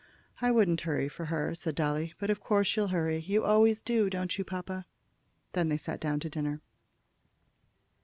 "I wouldn't hurry for her," said Dolly; "but of course you'll hurry. You always do, don't you, papa?" Then they sat down to dinner.